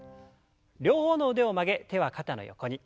両方の腕を曲げ手は肩の横に。